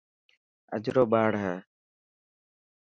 اجرو ٻاڙ هي.